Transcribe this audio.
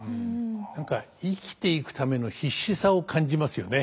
何か生きていくための必死さを感じますよね。